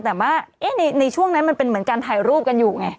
แต่ว่าในช่วงนั้นมันเป็นเหมือนการถ่ายรูปกันอยู่ไง